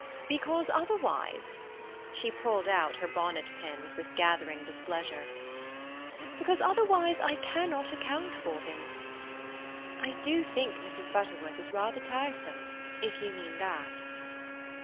"Because otherwise"—she pulled out her bonnet pins with gathering displeasure—"because otherwise I cannot account for him." "I do think Mrs. Butterworth is rather tiresome, if you mean that."